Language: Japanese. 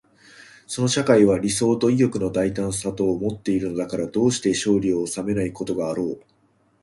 その社会は理想と意欲の大胆さとをもっているのだから、どうして勝利を収めないことがあろう。